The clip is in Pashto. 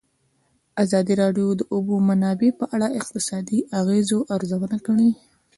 ازادي راډیو د د اوبو منابع په اړه د اقتصادي اغېزو ارزونه کړې.